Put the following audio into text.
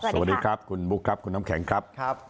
สวัสดีครับคุณบุ๊คครับคุณน้ำแข็งครับ